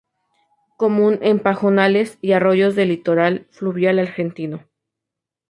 Común en pajonales y arroyos del litoral fluvial argentino.